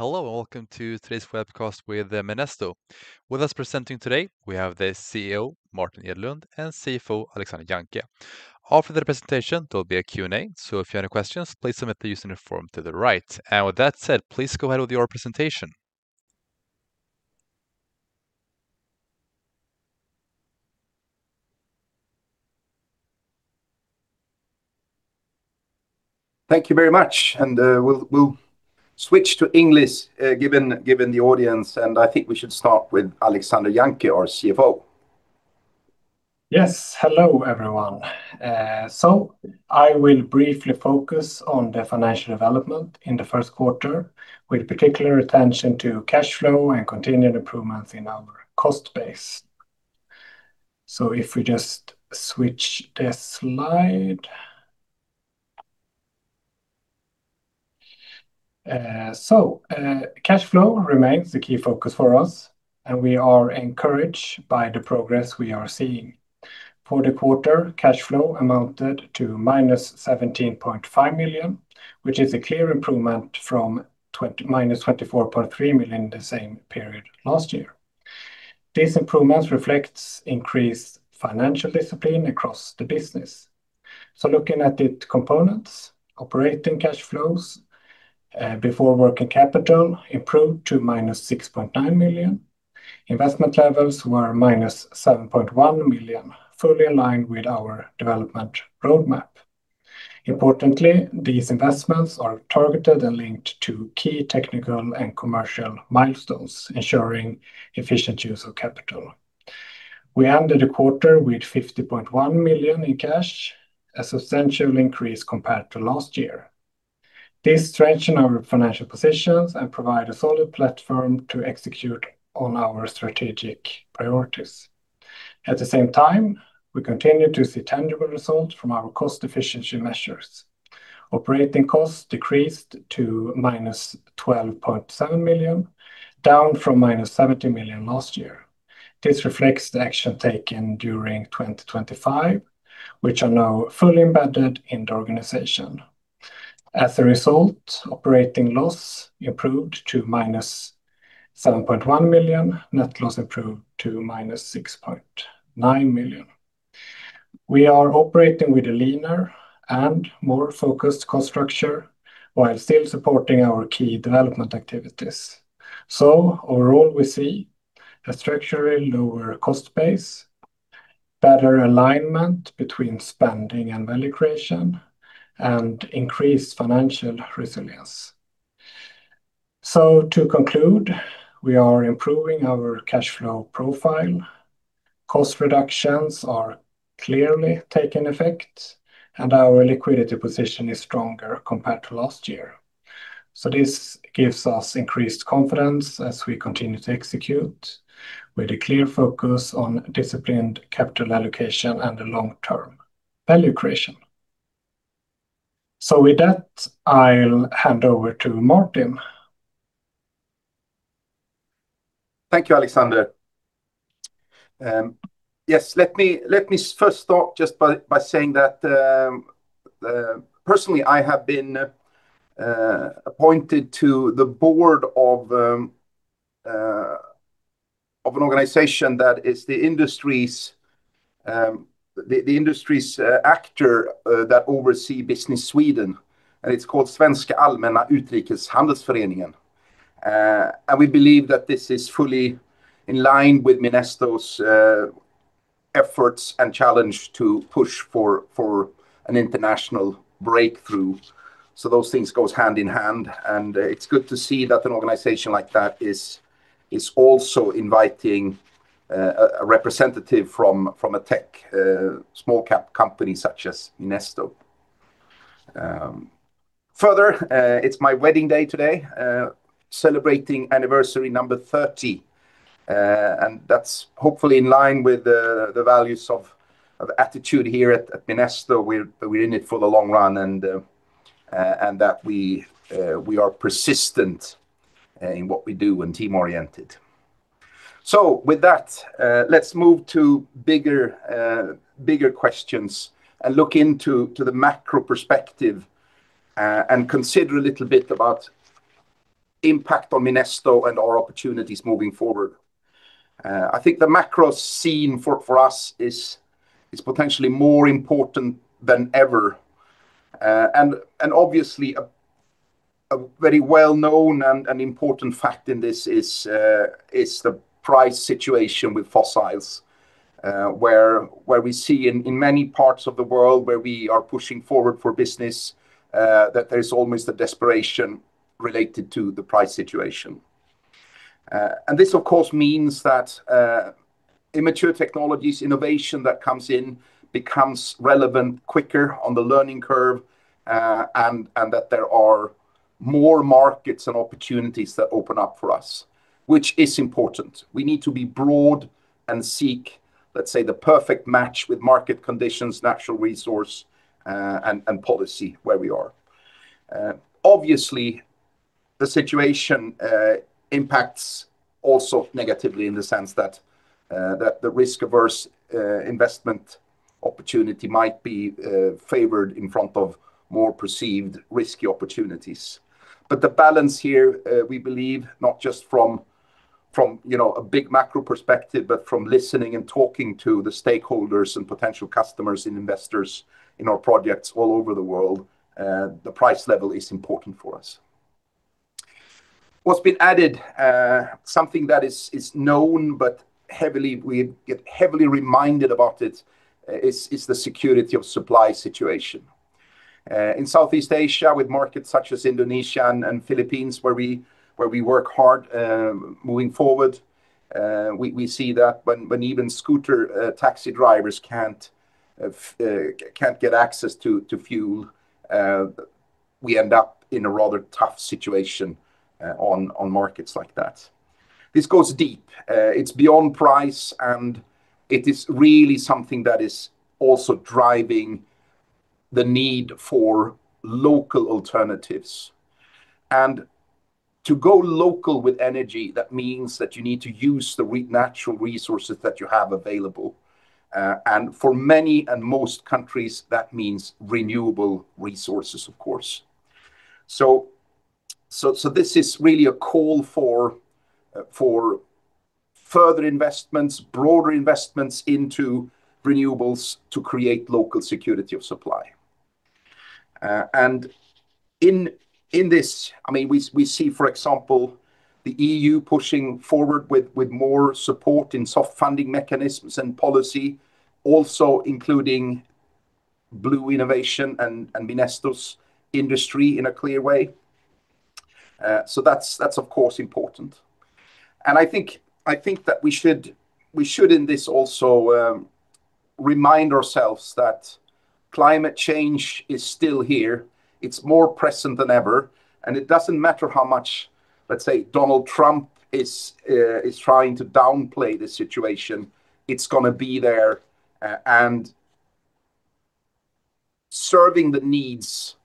Hello. Welcome to today's webcast with Minesto. With us presenting today we have the CEO, Martin Edlund, and CFO, Alexander Jancke. After the presentation, there'll be a Q&A. If you have any questions, please submit them using the form to the right. With that said, please go ahead with your presentation. Thank you very much. We'll switch to English given the audience, and I think we should start with Alexander Jancke, our CFO. Yes. Hello, everyone. I will briefly focus on the financial development in the first quarter, with particular attention to cash flow and continued improvements in our cost base. If we just switch the slide. Cash flow remains the key focus for us, and we are encouraged by the progress we are seeing. For the quarter, cash flow amounted to -17.5 million, which is a clear improvement from -24.3 million the same period last year. These improvements reflect increased financial discipline across the business. Looking at the components, operating cash flows before working capital improved to -6.9 million. Investment levels were SEK- 7.1 million, fully aligned with our development roadmap. Importantly, these investments are targeted and linked to key technical and commercial milestones, ensuring efficient use of capital. We ended the quarter with 50.1 million in cash, a substantial increase compared to last year. This strengthen our financial positions and provide a solid platform to execute on our strategic priorities. At the same time, we continue to see tangible results from our cost efficiency measures. Operating costs decreased to -12.7 million, down from -70 million last year. This reflects the action taken during 2025, which are now fully embedded in the organization. As a result, operating loss improved to -7.1 million. Net loss improved to -6.9 million. We are operating with a leaner and more focused cost structure while still supporting our key development activities. Overall, we see a structurally lower cost base, better alignment between spending and value creation, and increased financial resilience. To conclude, we are improving our cash flow profile. Cost reductions are clearly taking effect, and our liquidity position is stronger compared to last year. This gives us increased confidence as we continue to execute with a clear focus on disciplined capital allocation and the long-term value creation. With that, I'll hand over to Martin. Thank you, Alexander. Yes, let me first start just by saying that personally, I have been appointed to the Board of an organization that is the industry's actor that oversee Business Sweden, and it's called Svenska Allmänna Utrikeshandelsföreningen. We believe that this is fully in line with Minesto's efforts and challenge to push for an international breakthrough. Those things goes hand-in-hand, and it's good to see that an organization like that is also inviting a representative from a tech small cap company such as Minesto. Further, it's my wedding day today, celebrating anniversary number 30, and that's hopefully in line with the values of attitude here at Minesto. We're in it for the long run, and that we are persistent in what we do and team-oriented. With that, let's move to bigger questions and look into the macro perspective, and consider a little bit about impact on Minesto and our opportunities moving forward. I think the macro scene for us is potentially more important than ever. Obviously a very well-known and an important fact in this is the price situation with fossils, where we see in many parts of the world where we are pushing forward for business, that there's almost a desperation related to the price situation. This of course means that immature technologies innovation that comes in becomes relevant quicker on the learning curve, and that there are more markets and opportunities that open up for us, which is important. We need to be broad and seek, let's say, the perfect match with market conditions, natural resource, and policy where we are. Obviously the situation impacts also negatively in the sense that the risk-averse investment opportunity might be favored in front of more perceived risky opportunities but the balance here, we believe not just from, you know, a big macro perspective, but from listening and talking to the stakeholders and potential customers and investors in our projects all over the world, the price level is important for us. What's been added, something that is known but we get heavily reminded about it, is the security of supply situation. In Southeast Asia with markets such as Indonesia and Philippines where we work hard, moving forward, we see that when even scooter taxi drivers can't get access to fuel, we end up in a rather tough situation on markets like that. This goes deep. It's beyond price, it is really something that is also driving the need for local alternatives. To go local with energy, that means that you need to use the natural resources that you have available. For many and most countries, that means renewable resources, of course. This is really a call for further investments, broader investments into renewables to create local security of supply. In this, I mean, we see, for example, the EU pushing forward with more support in soft funding mechanisms and policy, also including blue innovation and Minesto's industry in a clear way, so that's of course important. I think that we should in this also remind ourselves that climate change is still here. It's more present than ever, and it doesn't matter how much, let's say, Donald Trump is trying to downplay the situation. It's gonna be there and serving the needs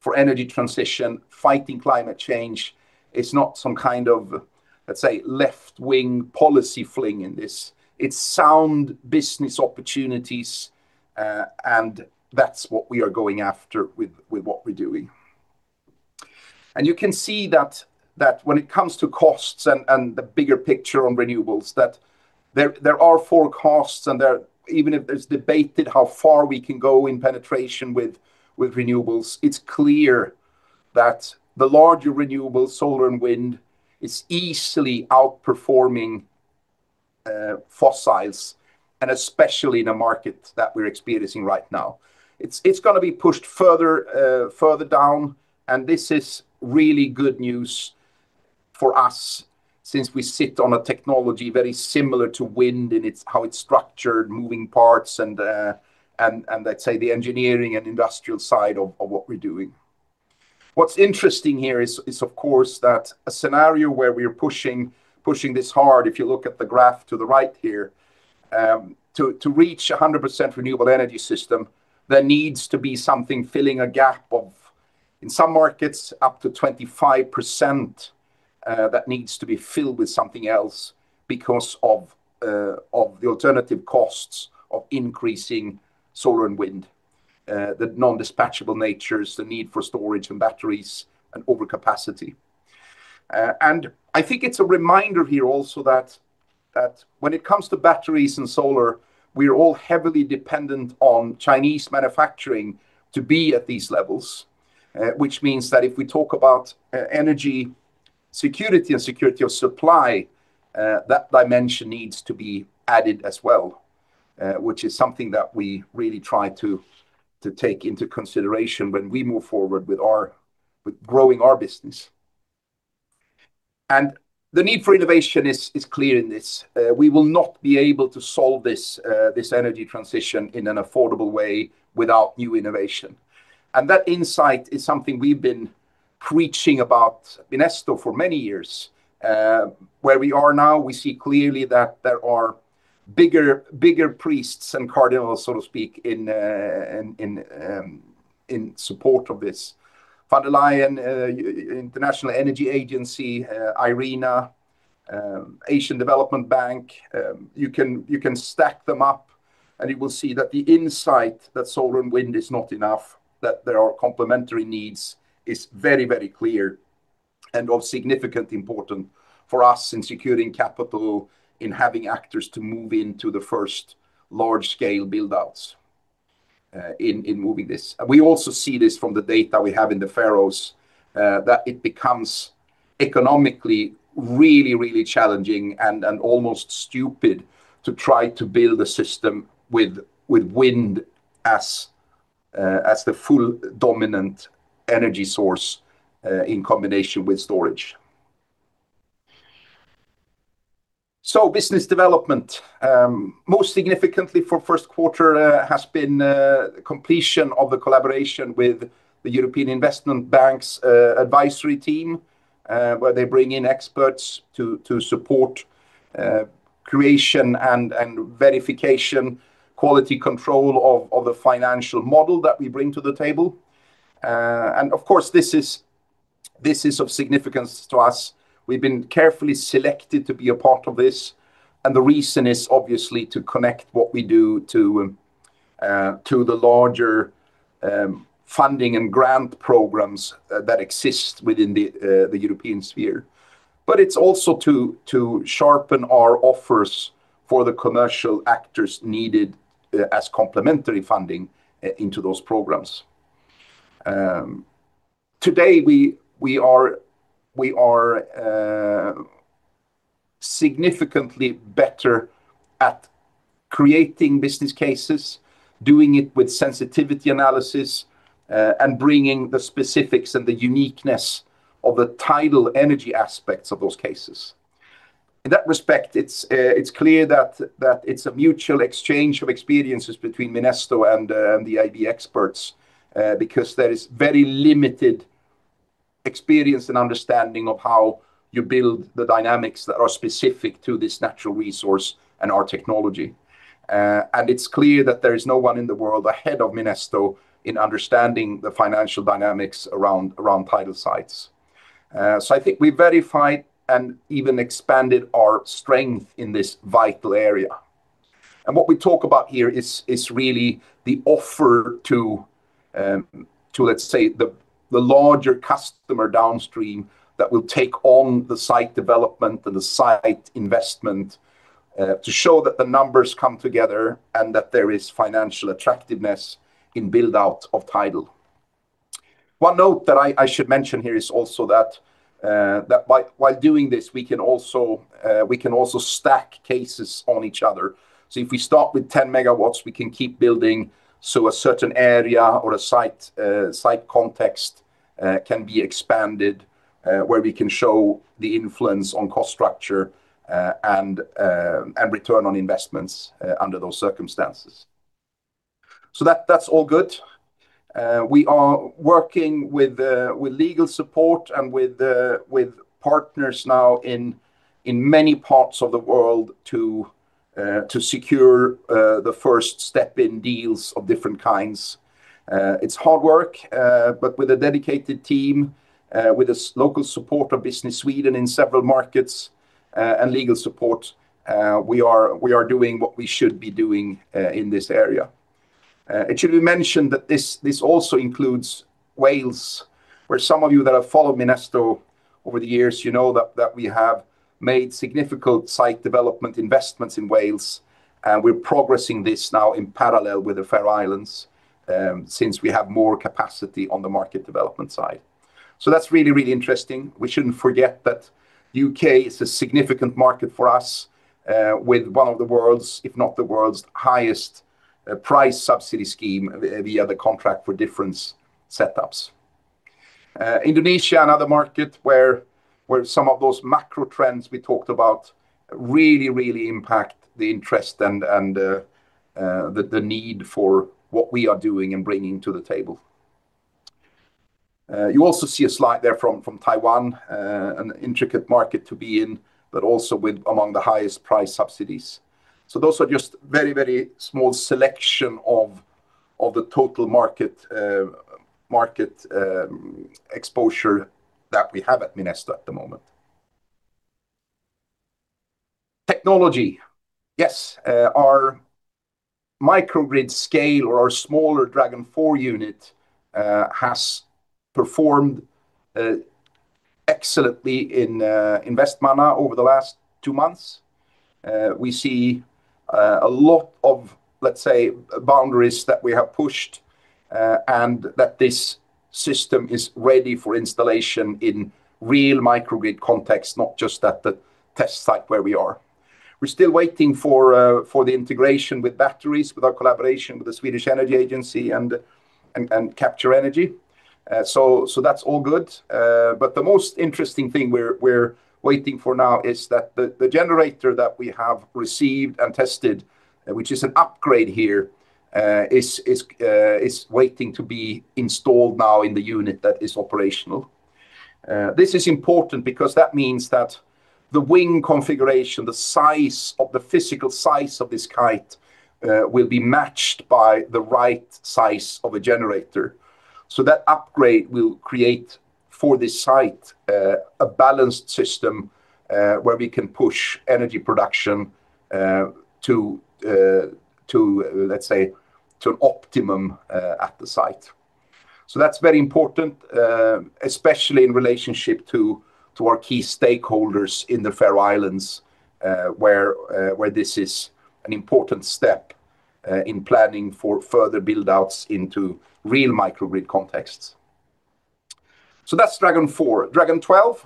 for energy transition, fighting climate change is not some kind of, let's say, left-wing policy fling in this. It's sound business opportunities. That's what we are going after with what we're doing. You can see that when it comes to costs and the bigger picture on renewables, that there are forecasts and there, even if it's debated how far we can go in penetration with renewables, it's clear that the larger renewable solar and wind is easily outperforming fossils, and especially in a market that we're experiencing right now. It's gonna be pushed further down. This is really good news for us since we sit on a technology very similar to wind in its how it's structured, moving parts and let's say the engineering and industrial side of what we're doing. What's interesting here is of course that a scenario where we are pushing this hard, if you look at the graph to the right here, to reach 100% renewable energy system, there needs to be something filling a gap of, in some markets, up to 25%, that needs to be filled with something else because of the alternative costs of increasing solar and wind, the non-dispatchable natures, the need for storage and batteries and overcapacity. I think it's a reminder here also that when it comes to batteries and solar, we are all heavily dependent on Chinese manufacturing to be at these levels. Which means that if we talk about energy security and security of supply, that dimension needs to be added as well, which is something that we really try to take into consideration when we move forward with growing our business. The need for innovation is clear in this. We will not be able to solve this energy transition in an affordable way without new innovation, and that insight is something we've been preaching about Minesto for many years. Where we are now, we see clearly that there are bigger priests and cardinals, so to speak, in support of this. Fatih Birol, International Energy Agency, IRENA, Asian Development Bank, you can, you can stack them up, and you will see that the insight that solar and wind is not enough, that there are complementary needs, is very, very clear and of significant important for us in securing capital, in having actors to move into the first large-scale build-outs, in moving this. We also see this from the data we have in the Faroes, that it becomes economically really, really challenging and almost stupid to try to build a system with wind as the full dominant energy source, in combination with storage. Business development, most significantly for first quarter, has been completion of the collaboration with the European Investment Bank's advisory team, where they bring in experts to support creation and verification, quality control of the financial model that we bring to the table. Of course, this is of significance to us. We've been carefully selected to be a part of this, and the reason is obviously to connect what we do to the larger funding and grant programs that exist within the European sphere. It's also to sharpen our offers for the commercial actors needed as complementary funding into those programs. Today, we are significantly better at creating business cases, doing it with sensitivity analysis, and bringing the specifics and the uniqueness of the tidal energy aspects of those cases. In that respect, it's clear that it's a mutual exchange of experiences between Minesto and the EIB experts, because there is very limited experience and understanding of how you build the dynamics that are specific to this natural resource and our technology. It's clear that there is no one in the world ahead of Minesto in understanding the financial dynamics around tidal sites. I think we verified and even expanded our strength in this vital area. What we talk about here is really the offer to, let's say, the larger customer downstream that will take on the site development and the site investment to show that the numbers come together and that there is financial attractiveness in build-out of tidal. One note that I should mention here is also that while doing this, we can also we can also stack cases on each other. If we start with 10 MW, we can keep building, so a certain area or a site context can be expanded where we can show the influence on cost structure and return on investments under those circumstances. That's all good. We are working with legal support and with partners now in many parts of the world to secure the first step in deals of different kinds. It's hard work, but with a dedicated team, with a local support of Business Sweden in several markets, and legal support, we are doing what we should be doing in this area. It should be mentioned that this also includes Wales, where some of you that have followed Minesto over the years, you know that we have made significant site development investments in Wales, and we're progressing this now in parallel with the Faroe Islands, since we have more capacity on the market development side. That's really interesting. We shouldn't forget that U.K. is a significant market for us, with one of the world's, if not the world's highest, price subsidy scheme via the Contract for Difference setups. Indonesia, another market where some of those macro trends we talked about really impact the interest and the need for what we are doing and bringing to the table. You also see a slide there from Taiwan, an intricate market to be in, but also with among the highest price subsidies. Those are just very small selection of the total market exposure that we have at Minesto at the moment. Technology. Yes, our microgrid scale or our smaller Dragon 4 unit has performed excellently in Vestmanna over the last two months. We see a lot of boundaries that we have pushed, and that this system is ready for installation in real microgrid context, not just at the test site where we are. We're still waiting for the integration with batteries, with our collaboration with the Swedish Energy Agency and Capture Energy. That's all good. The most interesting thing we're waiting for now is that the generator that we have received and tested, which is an upgrade here, is waiting to be installed now in the unit that is operational. This is important because that means that the wing configuration, the size of the physical size of this kite, will be matched by the right size of a generator. That upgrade will create for this site, a balanced system, where we can push energy production to, let's say, to an optimum at the site. That's very important, especially in relationship to our key stakeholders in the Faroe Islands, where this is an important step in planning for further build-outs into real microgrid contexts. That's Dragon 4. Dragon 12,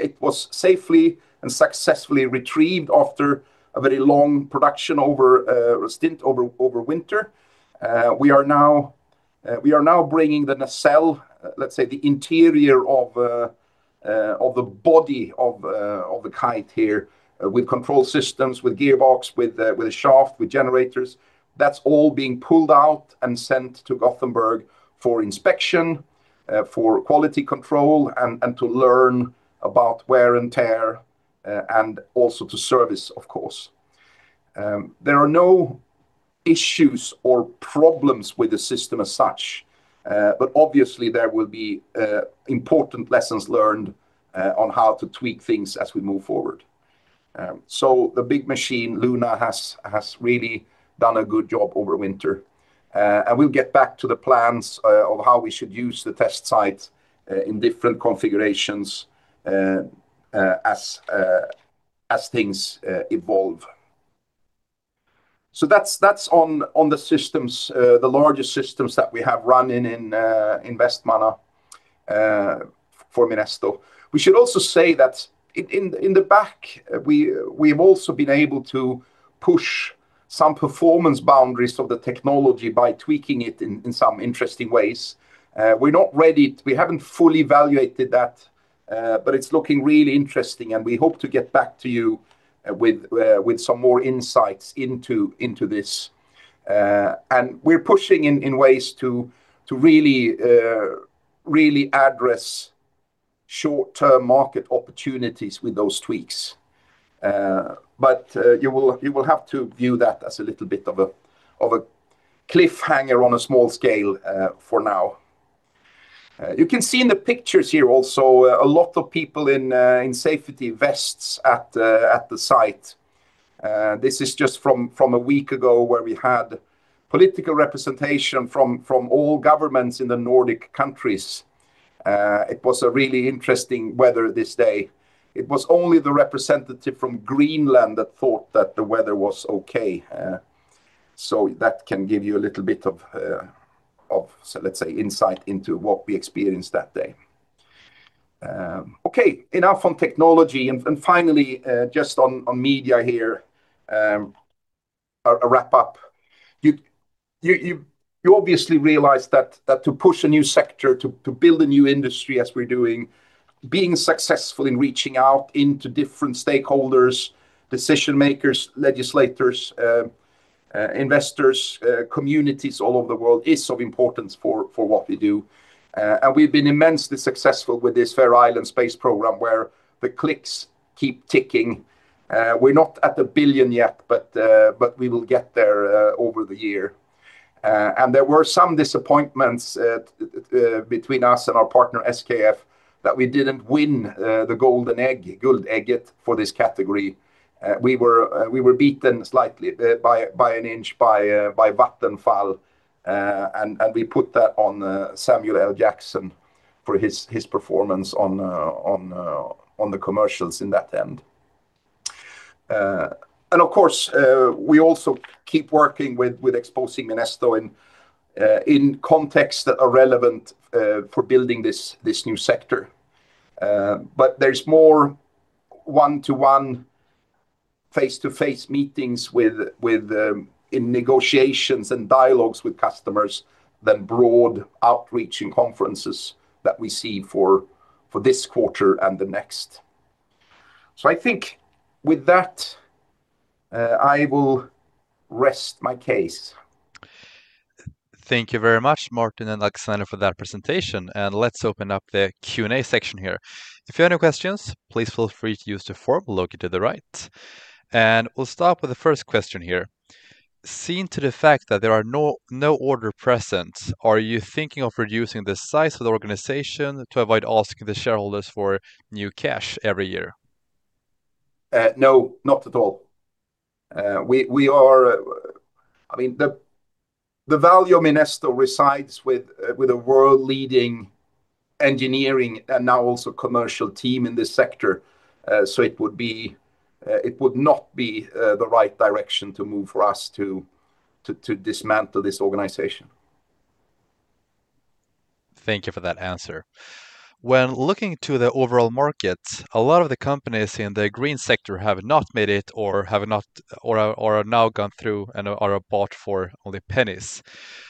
it was safely and successfully retrieved after a very long production or stint over winter. We are now bringing the nacelle, let's say the interior of the body of the kite here, with control systems, with gearbox, with a shaft, with generators and hat's all being pulled out and sent to Gothenburg for inspection, for quality control and to learn about wear and tear, and also to service, of course. There are no issues or problems with the system as such, but obviously there will be important lessons learned on how to tweak things as we move forward. The big machine, Luna, has really done a good job over winter. And we'll get back to the plans of how we should use the test site in different configurations as things evolve. That's on the systems, the larger systems that we have running in Vestmanna for Minesto. We should also say that in the back, we've also been able to push some performance boundaries of the technology by tweaking it in some interesting ways. We haven't fully evaluated that, but it's looking really interesting, and we hope to get back to you with some more insights into this. We're pushing in ways to really address short-term market opportunities with those tweaks. You will have to view that as a little bit of a cliffhanger on a small scale for now. You can see in the pictures here also a lot of people in safety vests at the site. This is just from a week ago, where we had political representation from all governments in the Nordic countries. It was a really interesting weather this day. It was only the representative from Greenland that thought that the weather was okay. So that can give you a little bit of insight into what we experienced that day. Okay. Enough on technology. Finally, just on media here, a wrap-up. You obviously realize that to push a new sector to build a new industry as we're doing, being successful in reaching out into different stakeholders, decision-makers, legislators, investors, communities all over the world is of importance for what we do. And we've been immensely successful with this Faroe Islands Space Program, where the clicks keep ticking. We're not at the 1 billion yet, but we will get there over the year. There were some disappointments at between us and our partner SKF that we didn't win the golden egg, Guldägget, for this category. We were beaten slightly by an inch by Vattenfall. We put that on Samuel L. Jackson for his performance on on the commercials in that end. Of course, we also keep working with exposing Minesto in contexts that are relevant for building this new sector. There's more one-to-one face-to-face meetings with in negotiations and dialogues with customers than broad outreach in conferences that we see for this quarter and the next. I think with that, I will rest my case. Thank you very much, Martin and Alexander, for that presentation. Let's open up the Q&A section here. If you have any questions, please feel free to use the form located to the right. We'll start with the first question here. Seeing to the fact that there are no order present, are you thinking of reducing the size of the organization to avoid asking the shareholders for new cash every year? No, not at all. We are I mean, the value of Minesto resides with a world-leading engineering and now also commercial team in this sector. It would be, it would not be the right direction to move for us to dismantle this organization. Thank you for that answer. When looking to the overall market, a lot of the companies in the green sector have not made it or are now gone through and are bought for only pennies.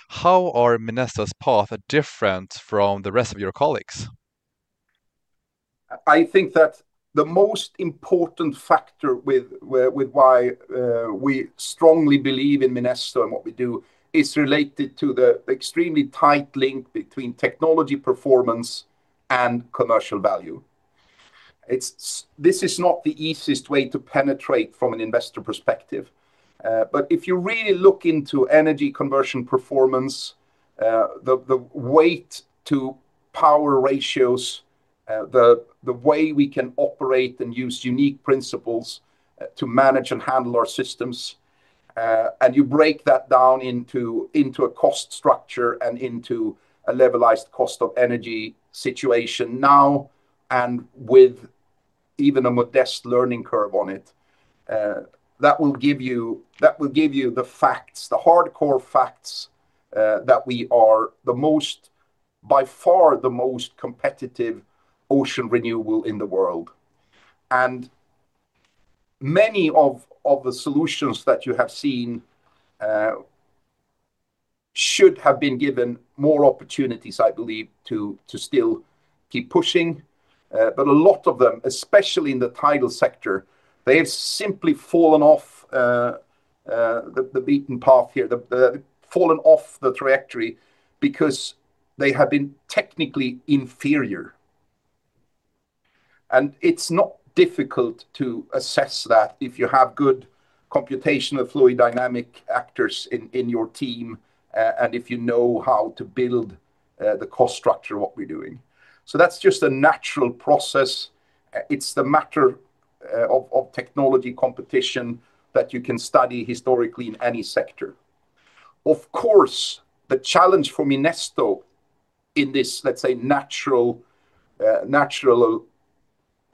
How are Minesto's path different from the rest of your colleagues? I think that the most important factor with why we strongly believe in Minesto and what we do is related to the extremely tight link between technology performance and commercial value. This is not the easiest way to penetrate from an investor perspective. But if you really look into energy conversion performance, the weight-to-power ratios, the way we can operate and use unique principles to manage and handle our systems, and you break that down into a cost structure and into a Levelized Cost of Energy situation now and with even a modest learning curve on it, that will give you the facts, the hardcore facts, that we are the most, by far, the most competitive ocean renewable in the world. Many of the solutions that you have seen should have been given more opportunities, I believe, to still keep pushing. A lot of them, especially in the tidal sector, they have simply fallen off the beaten path here. Fallen off the trajectory because they have been technically inferior. It is not difficult to assess that if you have good computational fluid dynamics actors in your team, and if you know how to build the cost structure of what we are doing. That is just a natural process. It is the matter of technology competition that you can study historically in any sector. Of course, the challenge for Minesto in this, let us say, natural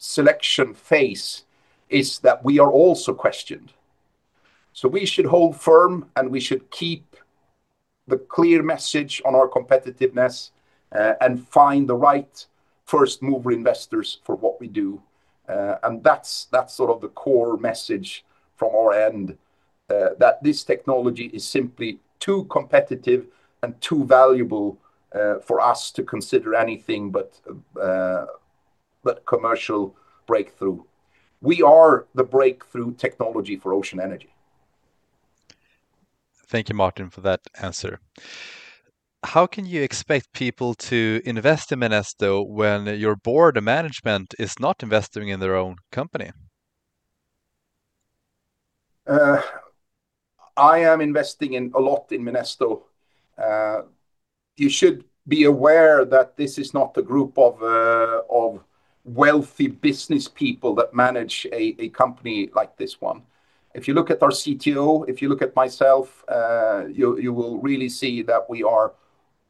selection phase is that we are also questioned. We should hold firm, and we should keep the clear message on our competitiveness, and find the right first mover investors for what we do. And that's sort of the core message from our end, that this technology is simply too competitive and too valuable for us to consider anything but commercial breakthrough. We are the breakthrough technology for ocean energy. Thank you, Martin, for that answer. How can you expect people to invest in Minesto when your Board of Management is not investing in their own company? I am investing a lot in Minesto. You should be aware that this is not the group of wealthy business people that manage a company like this one. If you look at our CTO, if you look at myself, you will really see that we are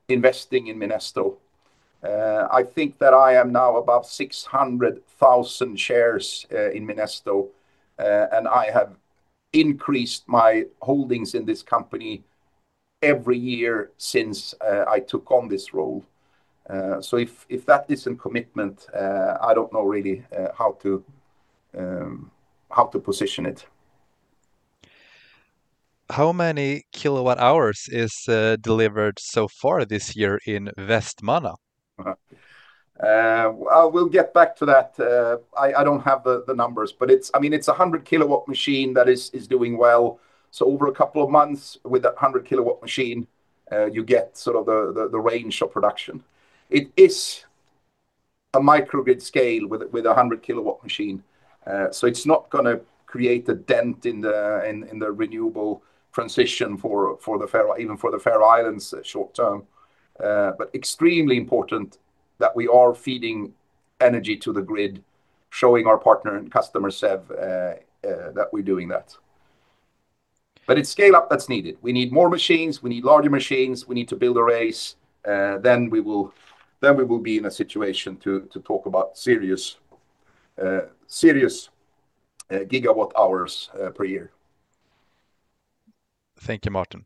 investing in Minesto. I think that I am now above 600,000 shares in Minesto, and I have increased my holdings in this company every year since I took on this role. If that isn't commitment, I don't know really how to position it. How many kilowatt hours is delivered so far this year in Vestmanna? We'll get back to that. I don't have the numbers. It's I mean, it's a 100 kW machine that is doing well. Over a couple of months with that 100 kW machine, you get sort of the range of production. It is a microgrid scale with a 100 kW machine. It's not gonna create a dent in the renewable transition for the Faroe, even for the Faroe Islands short term. Extremely important that we are feeding energy to the grid, showing our partner and customer SEV that we're doing that. It's scale-up that's needed. We need more machines. We need larger machines. We need to build arrays, then we will be in a situation to talk about serious gigawatt hours per year. Thank you, Martin.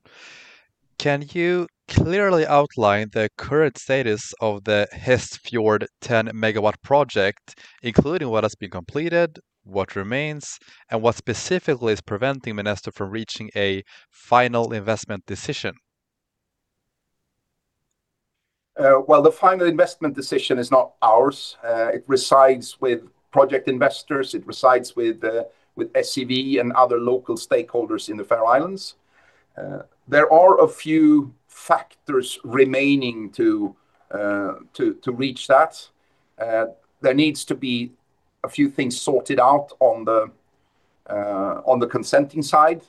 Can you clearly outline the current status of the Hestfjord 10 MW project, including what has been completed, what remains, and what specifically is preventing Minesto from reaching a final investment decision? Well, the final investment decision is not ours. It resides with project investors. It resides with SEV and other local stakeholders in the Faroe Islands. There are a few factors remaining to reach that. There needs to be a few things sorted out on the consenting side.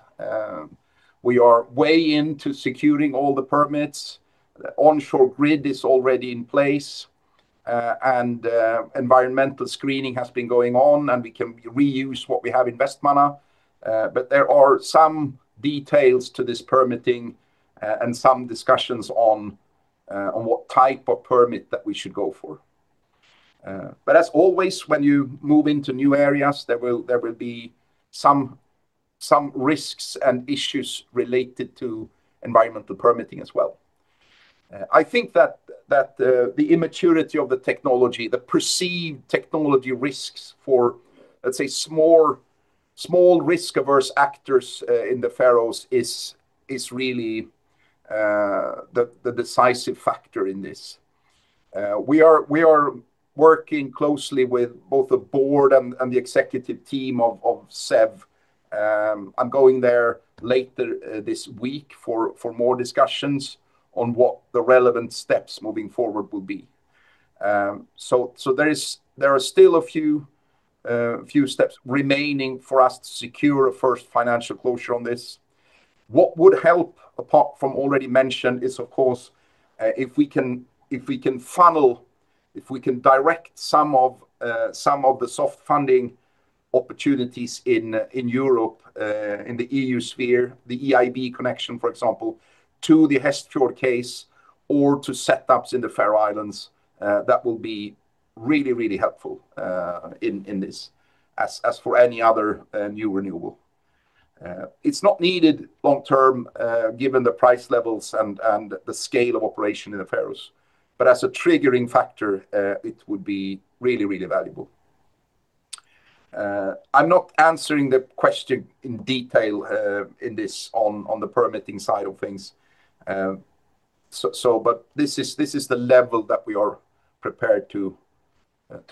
We are way into securing all the permits. The onshore grid is already in place, and environmental screening has been going on, and we can reuse what we have in Vestmanna. There are some details to this permitting, and some discussions on what type of permit that we should go for. As always, when you move into new areas, there will be some risks and issues related to environmental permitting as well. I think that the immaturity of the technology, the perceived technology risks for, let's say, small, risk-averse actors in the Faroes is really the decisive factor in this. We are working closely with both the Board and the executive team of SEV. I'm going there later this week for more discussions on what the relevant steps moving forward will be. There are still a few steps remaining for us to secure a first financial closure on this. What would help, apart from already mentioned, is of course, if we can, if we can funnel, if we can direct some of the soft funding opportunities in Europe, in the EU sphere, the EIB connection, for example, to the Hestfjord case or to set ups in the Faroe Islands, that will be really, really helpful in this as for any other new renewable. It's not needed long term, given the price levels and the scale of operation in the Faroes. As a triggering factor, it would be really, really valuable. I'm not answering the question in detail in this on the permitting side of things. This is the level that we are prepared to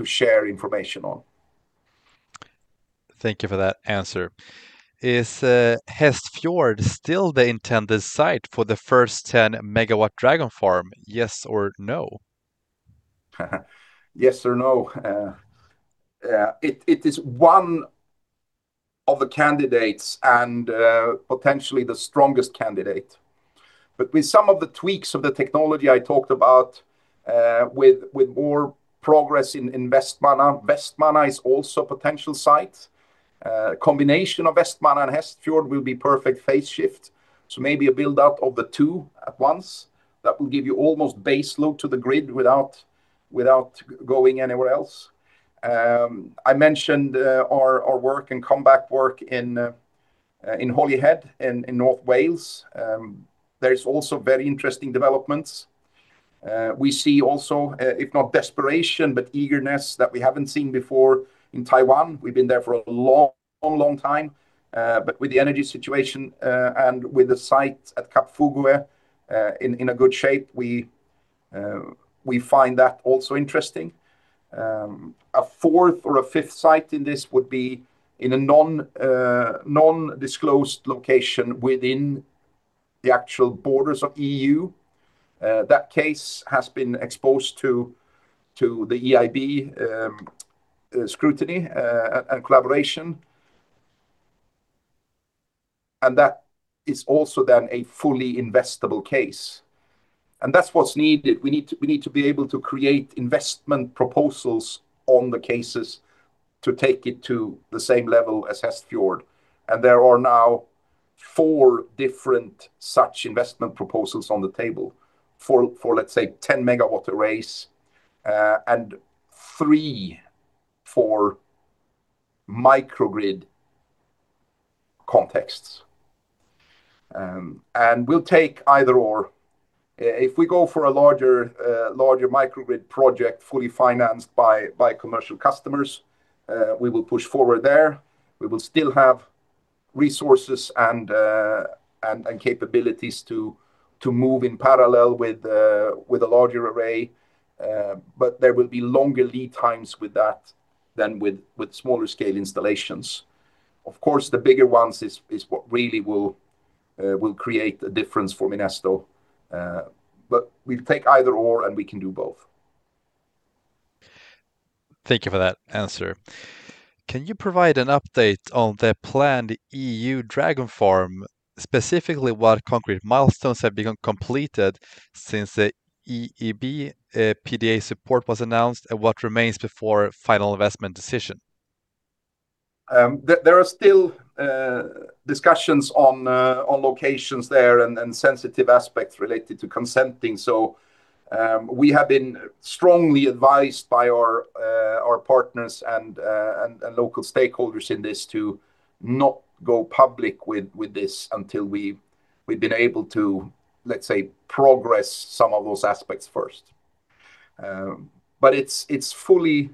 share information on. Thank you for that answer. Is Hestfjord still the intended site for the first 10 MW Dragon Farm? Yes or no? Yes or no. It is one of the candidates and potentially the strongest candidate. With some of the tweaks of the technology I talked about, with more progress in Vestmanna, Vestmanna is also a potential site. A combination of Vestmanna and Hestfjord will be perfect phase shift, maybe a build-out of the two at once. That will give you almost base load to the grid without going anywhere else. I mentioned our work and comeback work in Holyhead in North Wales. There is also very interesting developments. We see also, if not desperation, but eagerness that we haven't seen before in Taiwan. We've been there for a long, long time. With the energy situation, and with the site at Kap Fugue, in a good shape, we find that also interesting. A fourth or a fifth site in this would be in a non-disclosed location within the actual borders of EU. That case has been exposed to the EIB scrutiny and collaboration and that is also then a fully investable case, that's what's needed. We need to be able to create investment proposals on the cases to take it to the same level as Hestfjord. There are now four different such investment proposals on the table for 10 MW arrays, and three for microgrid contexts and we'll take either/or. If we go for a larger microgrid project fully financed by commercial customers, we will push forward there. We will still have resources and capabilities to move in parallel with a larger array. There will be longer lead times with that than with smaller scale installations. Of course, the bigger ones is what really will create a difference for Minesto but we'll take either/or, and we can do both. Thank you for that answer. Can you provide an update on the planned EU Dragon Farm, specifically what concrete milestones have been completed since the EIB PDA support was announced, and what remains before final investment decision? There are still discussions on locations there and sensitive aspects related to consenting. We have been strongly advised by our partners and local stakeholders in this to not go public with this until we've been able to, let's say, progress some of those aspects first. It's fully,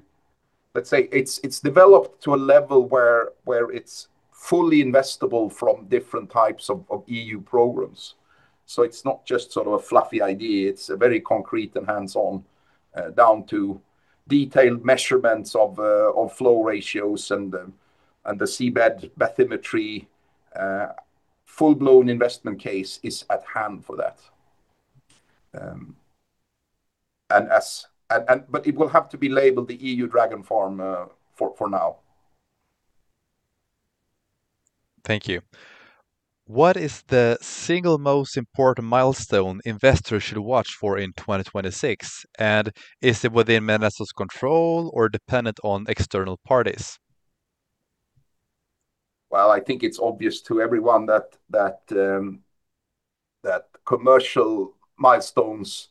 let's say it's developed to a level where it's fully investable from different types of EU programs. It's not just sort of a fluffy idea, it's a very concrete and hands-on, down to detailed measurements of flow ratios and the seabed bathymetry. Full-blown investment case is at hand for that but it will have to be labeled the EU Dragon Farm for now. Thank you. What is the single most important milestone investors should watch for in 2026? Is it within Minesto's control or dependent on external parties? Well, I think it's obvious to everyone that commercial milestones,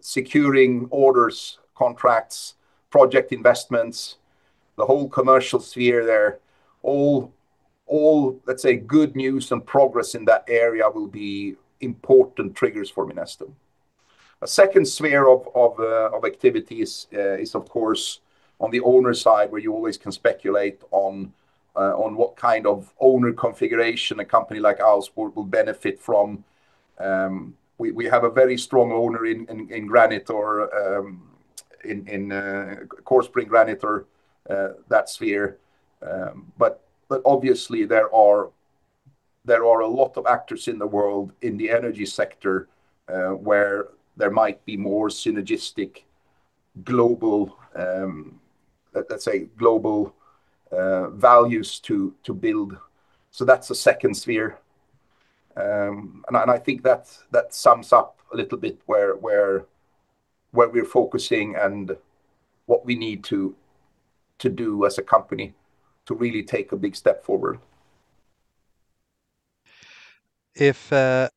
securing orders, contracts, project investments, the whole commercial sphere there, all, let's say, good news and progress in that area will be important triggers for Minesto. A second sphere of activities is of course on the owner side, where you always can speculate on what kind of owner configuration a company like ours will benefit from. We have a very strong owner in Corespring Granitor, that sphere. Obviously there are a lot of actors in the world in the energy sector, where there might be more synergistic global, let's say global, values to build. That's the second sphere. I think that sums up a little bit where we're focusing and what we need to do as a company to really take a big step forward. If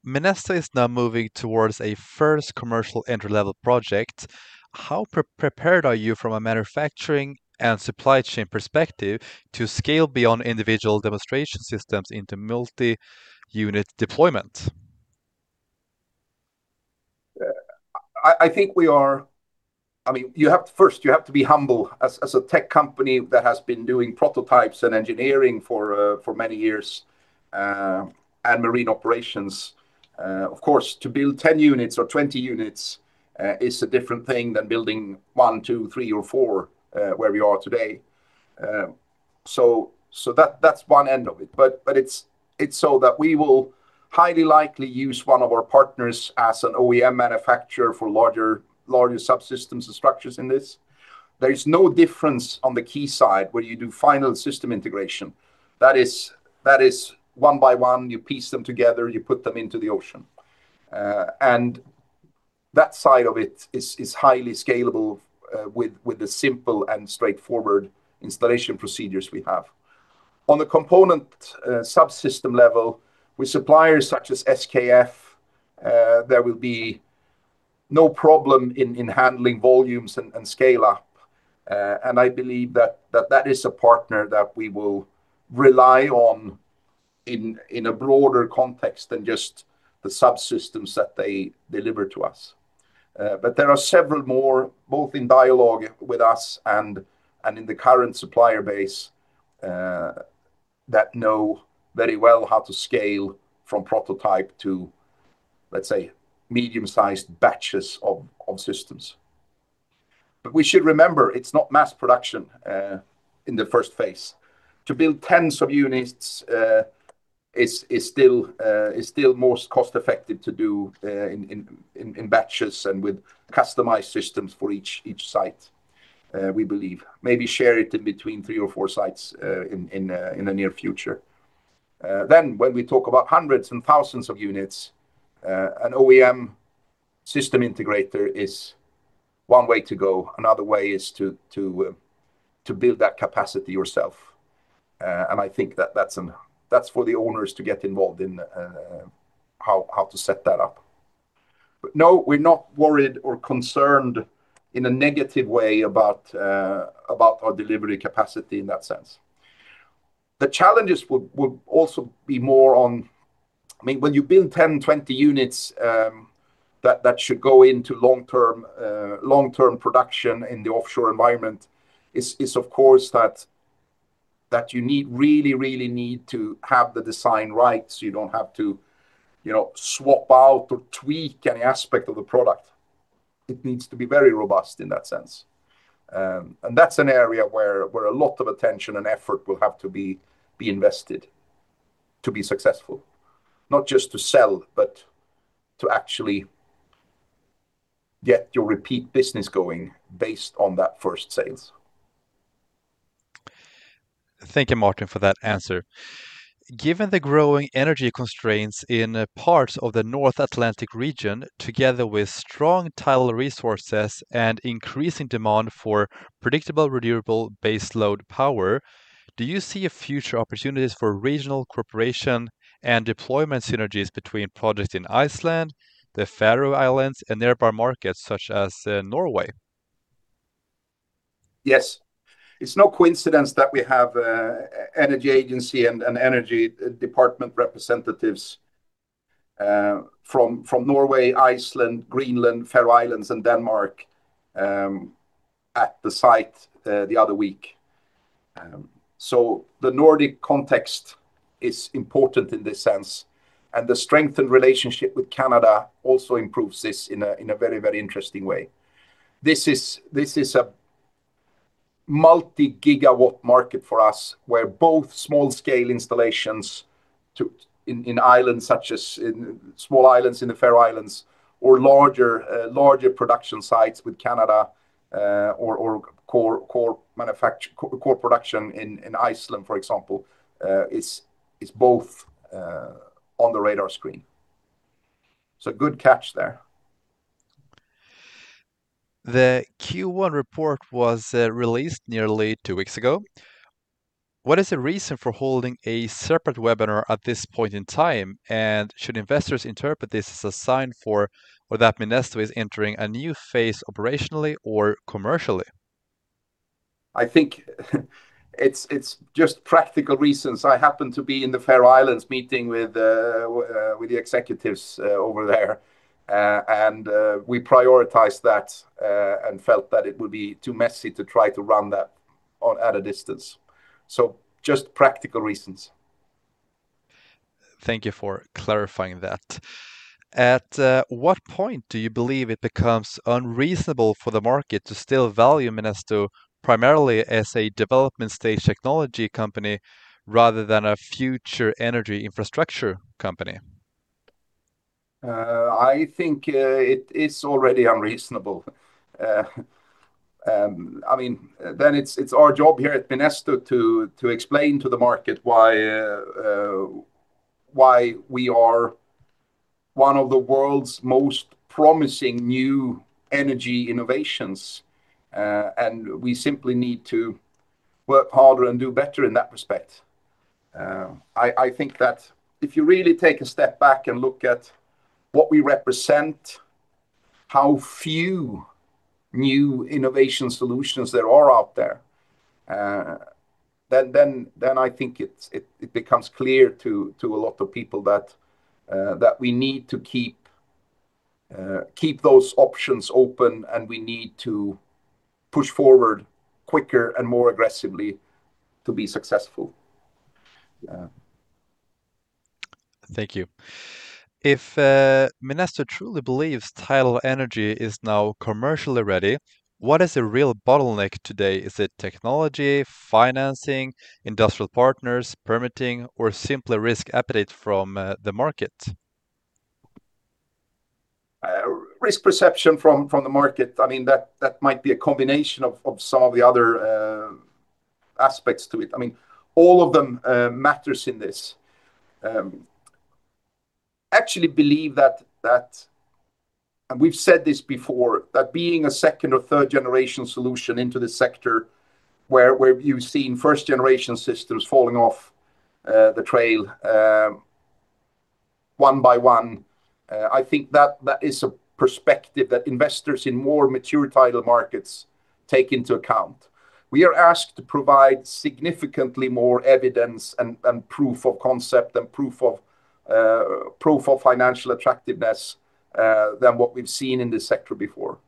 Minesto is now moving towards a first commercial entry-level project, how prepared are you from a manufacturing and supply chain perspective to scale beyond individual demonstration systems into multi-unit deployment? I think we are, I mean, you have to, first you have to be humble. As a tech company that has been doing prototypes and engineering for many years and marine operations, of course, to build 10 units or 20 units is a different thing than building one, two, three, or four where we are today. That is one end of it. It is so that we will highly likely use one of our partners as an OEM manufacturer for larger subsystems and structures in this. There is no difference on the key side where you do final system integration. That is one by one, you piece them together, you put them into the ocean and that side of it is highly scalable with the simple and straightforward installation procedures we have. On the component subsystem level, with suppliers such as SKF, there will be no problem in handling volumes and scale up. I believe that is a partner that we will rely on in a broader context than just the subsystems that they deliver to us. There are several more, both in dialogue with us and in the current supplier base, that know very well how to scale from prototype to, let's say, medium-sized batches of systems. We should remember it's not mass production in the first phase. To build tens of units is still most cost effective to do in batches and with customized systems for each site, we believe. Maybe share it in between three or four sites in the near future. When we talk about hundreds and thousands of units, an OEM system integrator is one way to go. Another way is to build that capacity yourself. I think that that's for the owners to get involved in how to set that up. No, we're not worried or concerned in a negative way about our delivery capacity in that sense. The challenges would also be more on I mean, when you build 10, 20 units, that should go into long-term production in the offshore environment is of course that you really need to have the design right so you don't have to, you know, swap out or tweak any aspect of the product. It needs to be very robust in that sense. That's an area where a lot of attention and effort will have to be invested to be successful. Not just to sell, but to actually get your repeat business going based on that first sales. Thank you, Martin, for that answer. Given the growing energy constraints in parts of the North Atlantic region, together with strong tidal resources and increasing demand for predictable renewable baseload power, do you see a future opportunities for regional cooperation and deployment synergies between projects in Iceland, the Faroe Islands, and nearby markets such as Norway? Yes. It's no coincidence that we have energy agency and energy department representatives from Norway, Iceland, Greenland, Faroe Islands, and Denmark at the site the other week. The Nordic context is important in this sense, and the strengthened relationship with Canada also improves this in a very, very interesting way. This is a multi-gigawatt market for us, where both small scale installations to in islands such as in small islands in the Faroe Islands or larger production sites with Canada, or core production in Iceland, for example, is both on the radar screen. Good catch there. The Q1 report was released nearly two weeks ago. What is the reason for holding a separate webinar at this point in time, and should investors interpret this as a sign for or that Minesto is entering a new phase operationally or commercially? I think it's just practical reasons. I happen to be in the Faroe Islands meeting with the executives over there. We prioritized that and felt that it would be too messy to try to run that on at a distance. Just practical reasons. Thank you for clarifying that. At what point do you believe it becomes unreasonable for the market to still value Minesto primarily as a development stage technology company rather than a future energy infrastructure company? I think it is already unreasonable. I mean it's our job here at Minesto to explain to the market why we are one of the world's most promising new energy innovations. We simply need to work harder and do better in that respect. I think that if you really take a step back and look at what we represent, how few new innovation solutions that are out there, then I think it becomes clear to a lot of people that we need to keep those options open and we need to push forward quicker and more aggressively to be successful. Yeah. Thank you. If Minesto truly believes tidal energy is now commercially ready, what is the real bottleneck today? Is it technology, financing, industrial partners, permitting, or simply risk appetite from the market? Risk perception from the market. I mean, that might be a combination of some of the other aspects to it. I mean, all of them matters in this. Actually believe that we've said this before, that being a second or third generation solution into this sector where you've seen first generation systems falling off the trail one by one, I think that is a perspective that investors in more mature tidal markets take into account. We are asked to provide significantly more evidence and proof of concept and proof of financial attractiveness than what we've seen in this sector before.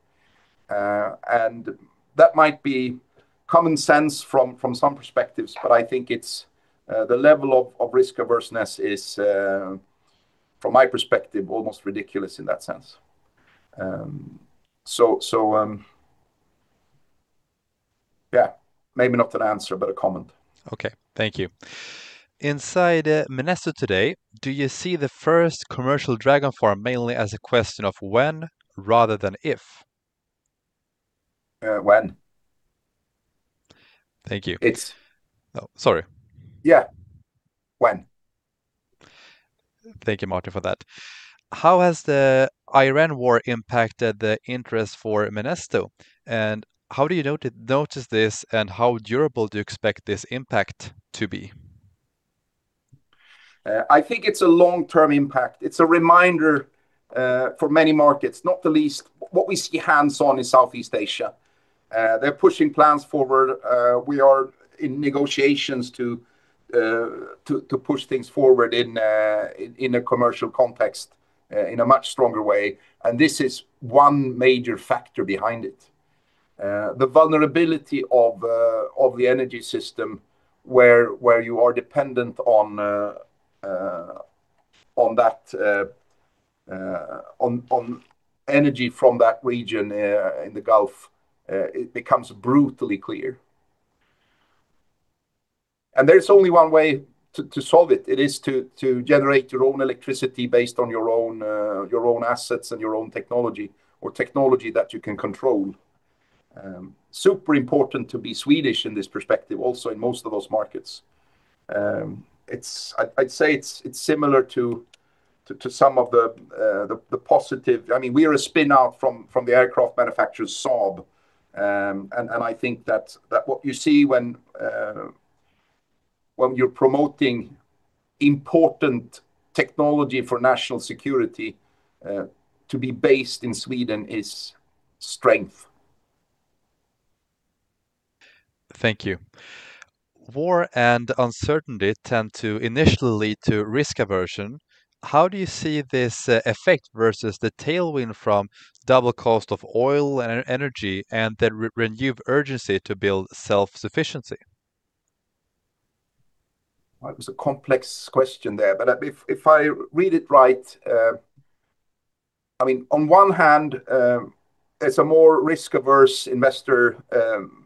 That might be common sense from some perspectives, but I think it's, the level of risk averseness is, from my perspective, almost ridiculous in that sense. So, yeah, maybe not an answer, but a comment. Okay. Thank you. Inside Minesto today, do you see the first commercial Dragon Farm mainly as a question of when rather than if? When. Thank you. It's- No, sorry. Yeah. When. Thank you, Martin, for that. How has the geopolitical risks impacted the interest for Minesto? How do you notice this, and how durable do you expect this impact to be? I think it's a long-term impact. It's a reminder for many markets, not the least what we see hands-on in Southeast Asia. They're pushing plans forward. We are in negotiations to push things forward in a commercial context in a much stronger way, and this is one major factor behind it. The vulnerability of the energy system where you are dependent on that energy from that region in the Gulf, it becomes brutally clear. There's only one way to solve it. It is to generate your own electricity based on your own assets and your own technology or technology that you can control. Super important to be Swedish in this perspective also in most of those markets. I'd say it's similar to some of the positive I mean, we are a spin-out from the aircraft manufacturer Saab. I think that what you see when you're promoting important technology for national security, to be based in Sweden is strength. Thank you. War and uncertainty tend initially to risk aversion. How do you see this effect versus the tailwind from double cost of oil and energy and the renewed urgency to build self-sufficiency? That was a complex question there. If I read it right, I mean, on one hand, it's a more risk-averse investor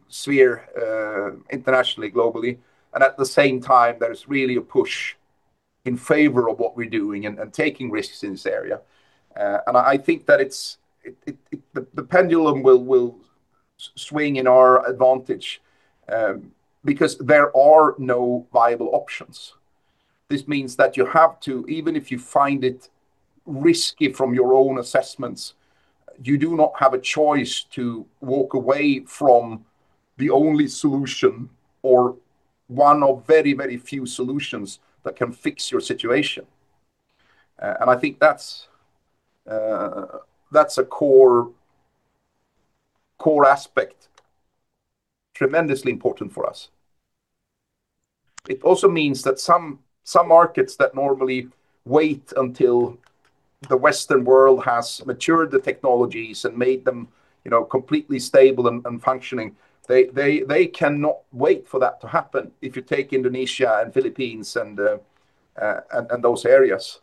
sphere internationally, globally. At the same time, there's really a push in favor of what we're doing and taking risks in this area. I think that it's the pendulum will swing in our advantage because there are no viable options. This means that you have to, even if you find it risky from your own assessments, you do not have a choice to walk away from the only solution or one of very, very few solutions that can fix your situation. I think that's a core aspect, tremendously important for us. It also means that some markets that normally wait until the Western world has matured the technologies and made them, you know, completely stable and functioning, they cannot wait for that to happen. If you take Indonesia and Philippines and those areas,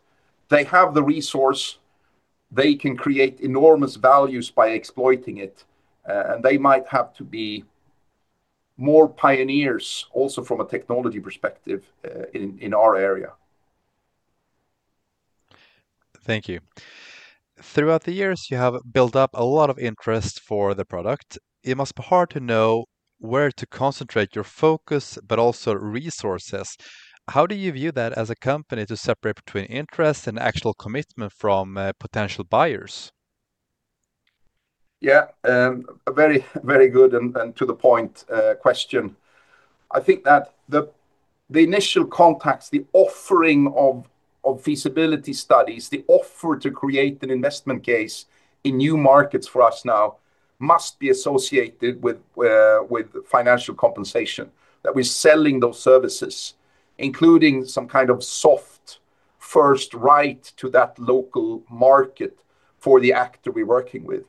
they have the resource, they can create enormous values by exploiting it, and they might have to be more pioneers also from a technology perspective, in our area. Thank you. Throughout the years, you have built up a lot of interest for the product. It must be hard to know where to concentrate your focus but also resources. How do you view that as a company to separate between interest and actual commitment from potential buyers? Yeah. A very good and to the point question. I think that the initial contacts, the offering of feasibility studies, the offer to create an investment case in new markets for us now must be associated with financial compensation, that we're selling those services, including some kind of soft first right to that local market for the actor we're working with.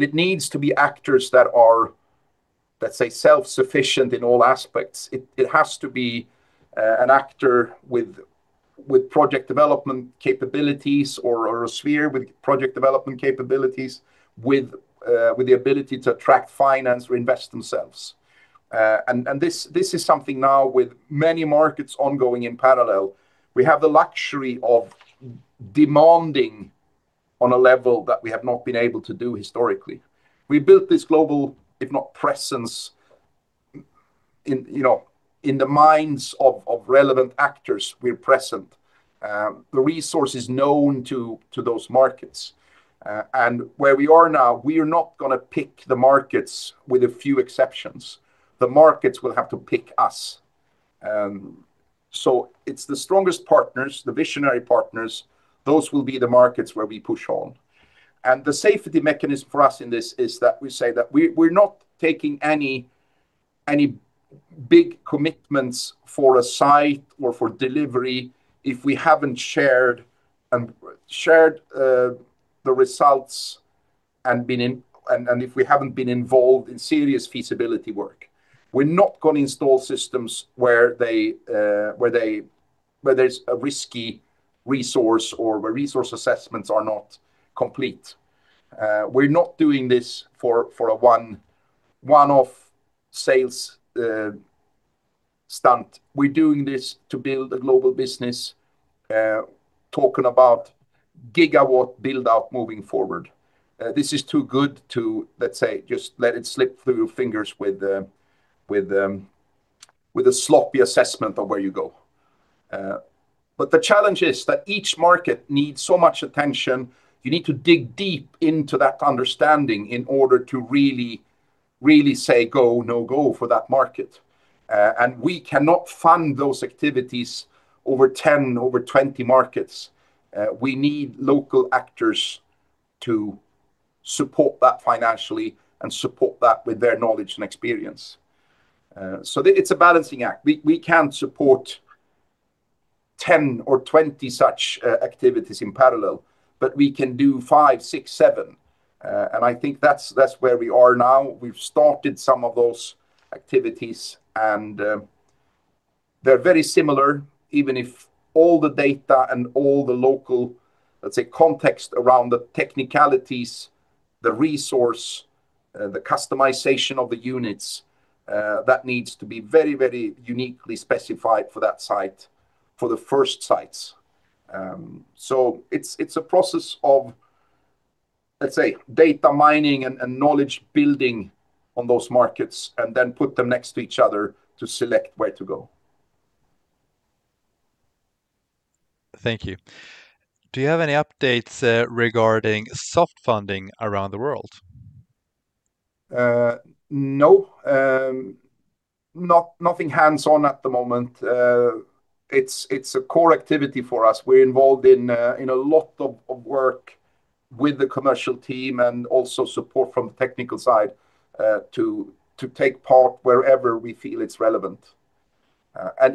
It needs to be actors that are, let's say, self-sufficient in all aspects. It has to be an actor with project development capabilities or a sphere with project development capabilities with the ability to attract finance or invest themselves. This is something now with many markets ongoing in parallel. We have the luxury of demanding on a level that we have not been able to do historically. We built this global, if not presence in, you know, in the minds of relevant actors we're present. The resource is known to those markets. Where we are now, we are not gonna pick the markets with a few exceptions. The markets will have to pick us. So it's the strongest partners, the visionary partners, those will be the markets where we push on. The safety mechanism for us in this is that we say that we're not taking any big commitments for a site or for delivery if we haven't shared the results and if we haven't been involved in serious feasibility work. We're not gonna install systems where there's a risky resource or where resource assessments are not complete. We're not doing this for a one-off sales stunt. We're doing this to build a global business, talking about gigawatt build-out moving forward. This is too good to, let's say, just let it slip through your fingers with a sloppy assessment of where you go. The challenge is that each market needs so much attention. You need to dig deep into that understanding in order to really, really say go, no go for that market. We cannot fund those activities over 10, over 20 markets. We need local actors to support that financially and support that with their knowledge and experience. It's a balancing act. We can't support 10 or 20 such activities in parallel, but we can do five, six, seven. I think that's where we are now. We've started some of those activities and they're very similar even if all the data and all the local, let's say, context around the technicalities, the resource, the customization of the units that needs to be very, very uniquely specified for that site for the first sites. So it's a process of, let's say, data mining and knowledge building on those markets and then put them next to each other to select where to go. Thank you. Do you have any updates regarding soft funding around the world? No. Nothing hands-on at the moment. It's a core activity for us. We're involved in a lot of work with the commercial team and also support from the technical side to take part wherever we feel it's relevant.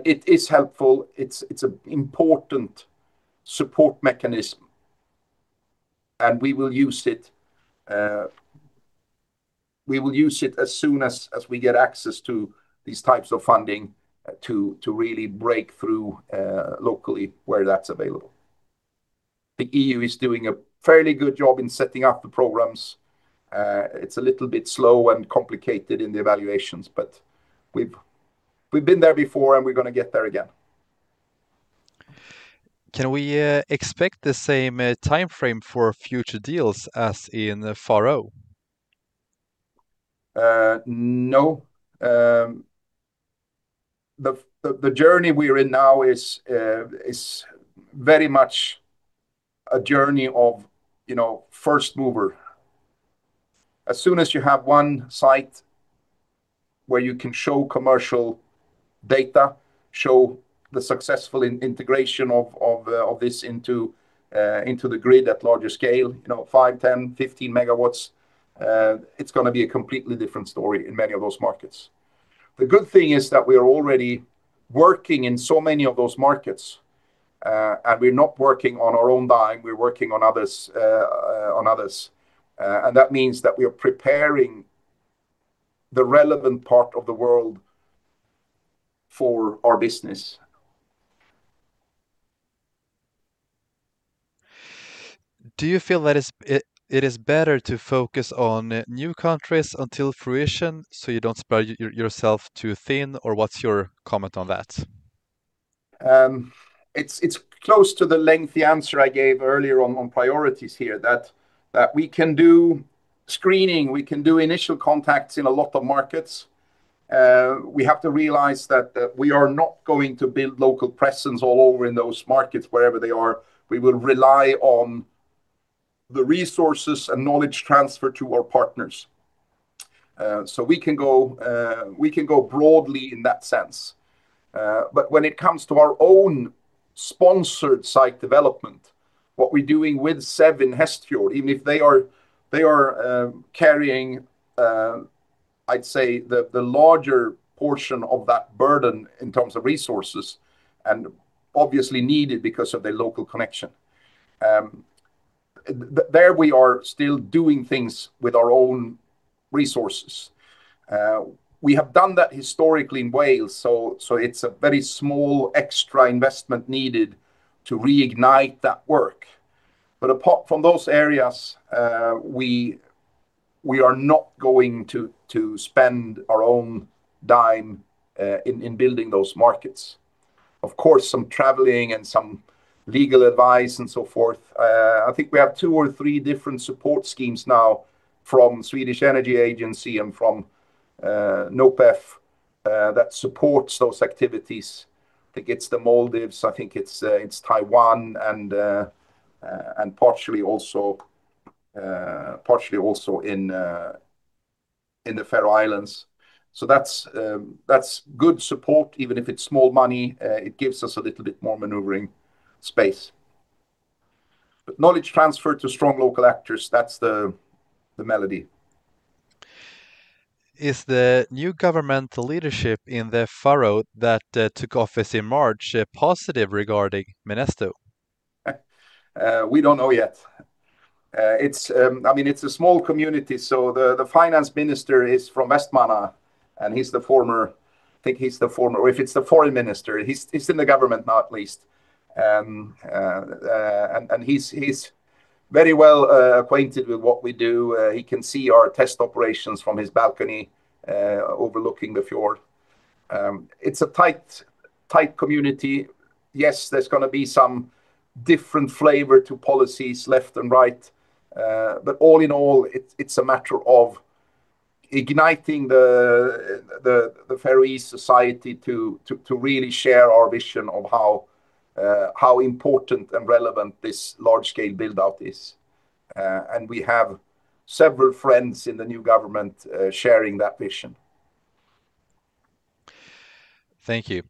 It is helpful. It's an important support mechanism, we will use it. We will use it as soon as we get access to these types of funding to really break through locally where that's available. The EU is doing a fairly good job in setting up the programs. It's a little bit slow and complicated in the evaluations, we've been there before, we're going to get there again. Can we expect the same timeframe for future deals as in Faroe? No. The journey we're in now is very much a journey of, you know, first mover. As soon as you have one site where you can show commercial data, show the successful integration of this into the grid at larger scale, you know, 5 MW, 10 MW, 15 MW, it's going to be a completely different story in many of those markets. The good thing is that we are already working in so many of those markets. We're not working on our own dime. We're working on others', and that means that we are preparing the relevant part of the world for our business. Do you feel that it is better to focus on new countries until fruition so you don't spread yourself too thin, or what's your comment on that? It's close to the lengthy answer I gave earlier on priorities here that we can do screening, we can do initial contacts in a lot of markets. We have to realize that we are not going to build local presence all over in those markets, wherever they are. We will rely on the resources and knowledge transfer to our partners. We can go broadly in that sense. When it comes to our own sponsored site development, what we're doing with SEV in Hestfjord, even if they are carrying, I'd say, the larger portion of that burden in terms of resources and obviously needed because of their local connection. There we are still doing things with our own resources. We have done that historically in Wales. It's a very small extra investment needed to reignite that work. Apart from those areas, we are not going to spend our own dime in building those markets. Of course, some traveling and some legal advice and so forth. I think we have two or three different support schemes now from Swedish Energy Agency and from Nopef that supports those activities. I think it's the Maldives. I think it's Taiwan and partially also in the Faroe Islands. That's good support, even if it's small money. It gives us a little bit more maneuvering space. Knowledge transfer to strong local actors, that's the melody. Is the new governmental leadership in the Faroe that took office in March positive regarding Minesto? We don't know yet. I mean, it's a small community. The finance minister is from Vestmanna and he's the former, I think he's the former, or if it's the foreign minister, he's in the government now at least. He's very well acquainted with what we do. He can see our test operations from his balcony overlooking the fjord. It's a tight community. Yes, there's going to be some different flavor to policies left and right. All in all, it's a matter of igniting the Faroese society to really share our vision of how important and relevant this large-scale build-out is. We have several friends in the new government sharing that vision. Thank you.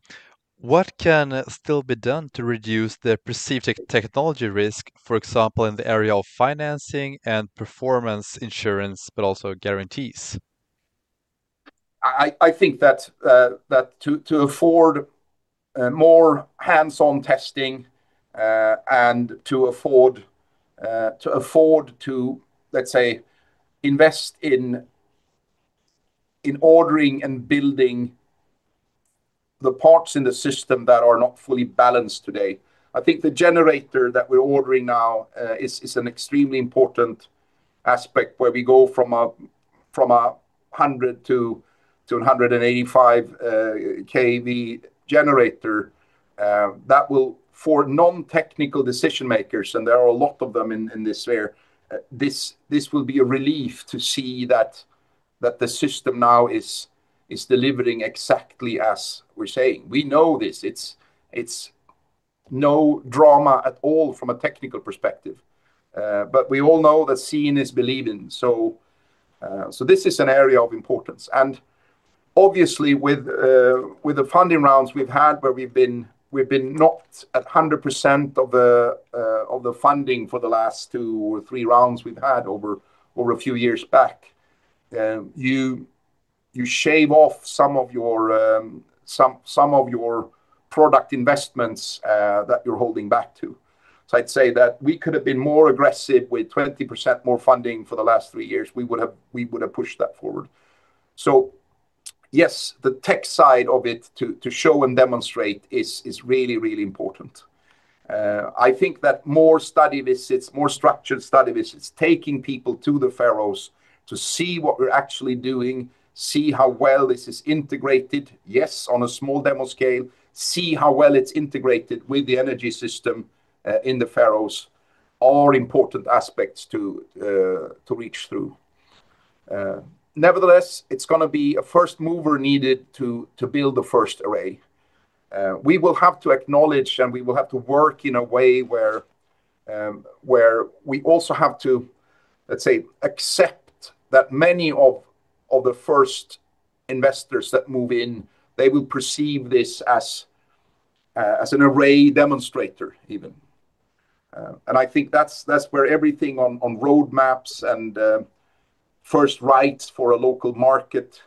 What can still be done to reduce the perceived technology risk, for example, in the area of financing and performance insurance, but also guarantees? I think that to afford more hands-on testing and to afford to, let's say, invest in ordering and building the parts in the system that are not fully balanced today. I think the generator that we're ordering now is an extremely important aspect where we go from a 100 kW to 185 kW generator. That will, for non-technical decision makers, and there are a lot of them in this sphere, this will be a relief to see that the system now is delivering exactly as we're saying. We know this. It's no drama at all from a technical perspective. We all know that seeing is believing. This is an area of importance. Obviously, with the funding rounds we've had where we've been not at 100% of the funding for the last two or three rounds we've had over a few years back, you shave off some of your product investments that you're holding back to. I'd say that we could have been more aggressive with 20% more funding for the last three years. We would have pushed that forward. Yes, the tech side of it to show and demonstrate is really, really important. I think that more study visits, more structured study visits, taking people to the Faroes to see what we're actually doing, see how well this is integrated, yes, on a small demo scale, see how well it's integrated with the energy system in the Faroes are important aspects to reach through. Nevertheless, it's going to be a first mover needed to build the first array. We will have to acknowledge and we will have to work in a way where we also have to, let's say, accept that many of the first investors that move in, they will perceive this as an array demonstrator even. I think that's where everything on roadmaps and first rights for a local market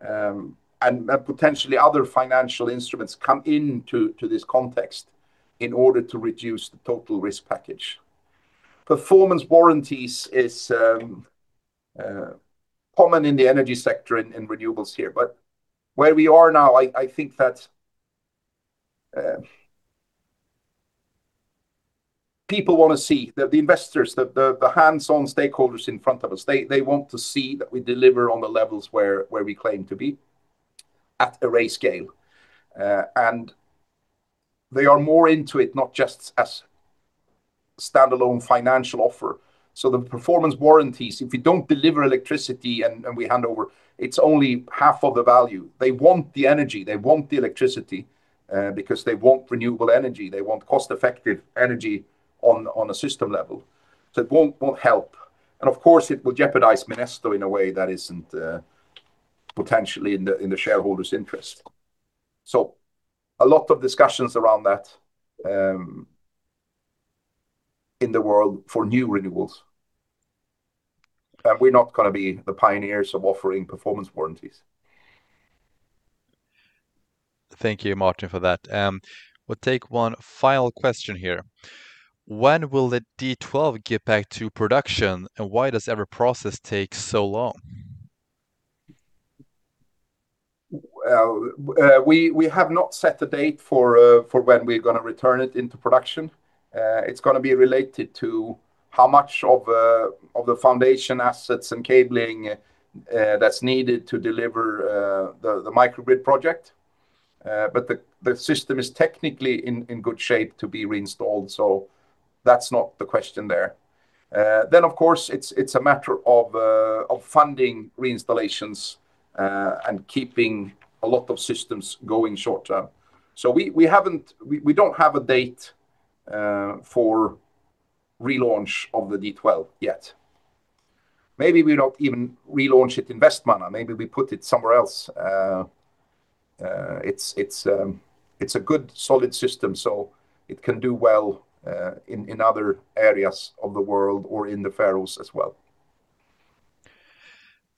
and potentially other financial instruments come into this context in order to reduce the total risk package. Performance warranties is common in the energy sector and renewables here. Where we are now, I think that people want to see, the investors, the hands-on stakeholders in front of us, they want to see that we deliver on the levels where we claim to be at array scale. They are more into it, not just as standalone financial offer. The performance warranties, if we don't deliver electricity and we hand over, it's only half of the value. They want the energy. They want the electricity because they want renewable energy, they want cost-effective energy on a system level. It won't help. Of course, it will jeopardize Minesto in a way that isn't potentially in the shareholders' interest. A lot of discussions around that in the world for new renewables. We're not gonna be the pioneers of offering performance warranties. Thank you, Martin, for that. We'll take one final question here. When will the D12 get back to production, and why does every process take so long? Well, we have not set a date for when we're going to return it into production. It's going to be related to how much of the foundation assets and cabling that's needed to deliver the microgrid project, but the system is technically in good shape to be reinstalled, so that's not the question there. Then of course, it's a matter of funding reinstallations and keeping a lot of systems going short term. We don't have a date for relaunch of the D12 yet. Maybe we don't even relaunch it in Vestmanna. Maybe we put it somewhere else. It's a good solid system, so it can do well in other areas of the world or in the Faroes as well.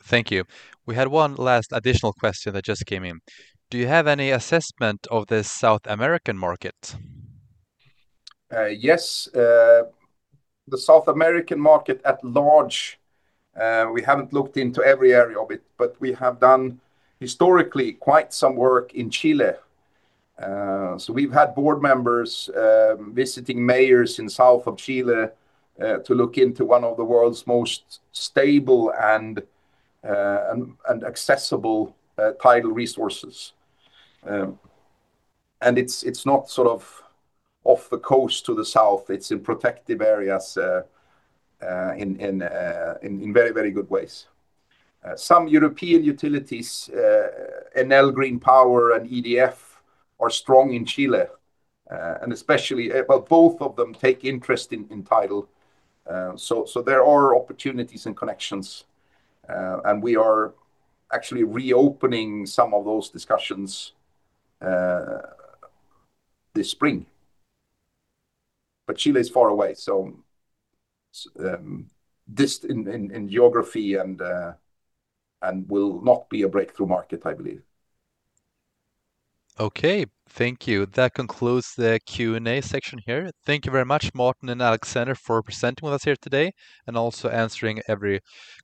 Thank you. We had one last additional question that just came in. Do you have any assessment of the South American market? Yes. The South American market at large, we haven't looked into every area of it, but we have done historically quite some work in Chile. We've had Board members visiting mayors in south of Chile to look into one of the world's most stable and accessible tidal resources. It's not sort of off the coast to the south, it's in protective areas in very, very good ways. Some European utilities, Enel Green Power and EDF are strong in Chile. Both of them take interest in tidal, so there are opportunities and connections. We are actually reopening some of those discussions this spring. Chile is far away, so in geography and will not be a breakthrough market, I believe. Okay. Thank you. That concludes the Q&A section here. Thank you very much, Martin and Alexander, for presenting with us here today and also answering every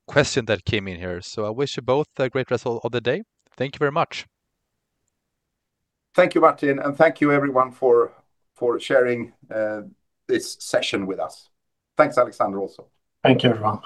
question that came in here. I wish you both a great rest of the day. Thank you very much. Thank you, Martin. Thank you everyone for sharing this session with us. Thanks, Alexander, also. Thank you, everyone.